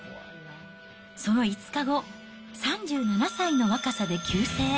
その５日後、３７歳の若さで急逝。